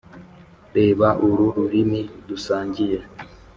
reba uru rurimi dusangiye,